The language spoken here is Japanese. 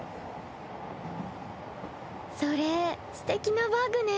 それすてきなバッグね。